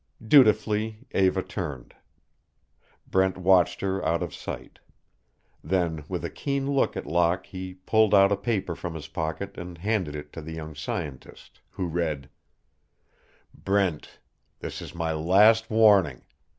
Dutifully Eva turned. Brent watched her out of sight. Then with a keen look at Locke he pulled out a paper from his pocket and handed it to the young scientist, who read: BRENT, This is my last warning.